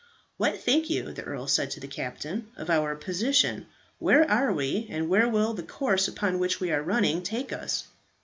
"What think you," the earl said to the captain, "of our position? Where are we, and where will the course upon which we are running take us?"